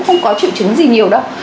không có triệu chứng gì nhiều đâu